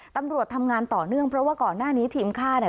ตำรวจทำงานต่อเนื่องเพราะว่าก่อนหน้านี้ทีมฆ่าเนี่ย